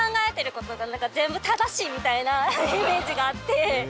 みたいなイメージがあって。